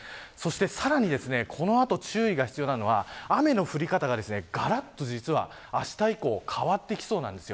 さらに、この後注意が必要なのは、雨の降り方ががらっと、あした以降変わってきそうなんです。